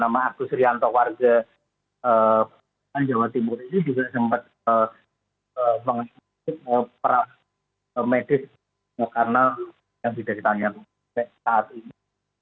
nama artim suryanto warga jawa timur ini juga sempat mengasih perang medis karena yang tidak ditanya saat ini